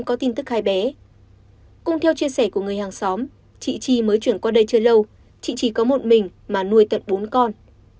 cũng theo chia sẻ của người hàng xóm chị tri mới chuyển qua đây chưa lâu chị tri có một mình mà nuôi tận bốn con